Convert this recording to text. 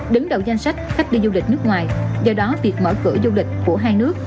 đứng đầu danh sách khách đi du lịch nước ngoài do đó việc mở cửa du lịch của hai nước